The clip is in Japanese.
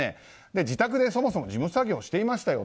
自宅でそもそも事務作業をしていましたよ